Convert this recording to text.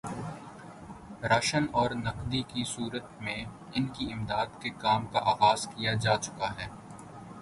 ration اور نقدی کی صورت میں ان کی امداد کے کام کا آغاز کیا جا چکا ہے